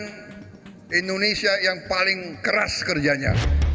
saya orang indonesia yang paling keras kerjanya